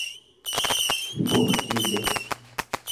Forquilha